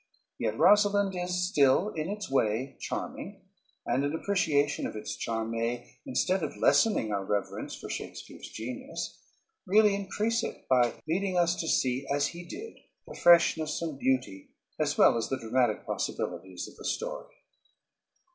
Yet "Rosalynde" is still in its way charming, and an appreciation of its charm may, instead of lessening our reverence for Shakespeare's genius, really increase it by leading us to see as he did the freshness and beauty as well as the dramatic possibilities of the story.